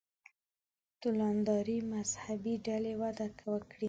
توندلارې مذهبي ډلې وده وکړي.